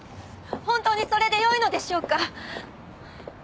本当にそれでよいのでしょうか